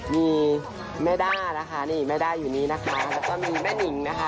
มีแม่ด้านะคะนี่แม่ด้าอยู่นี้นะคะแล้วก็มีแม่นิงนะคะ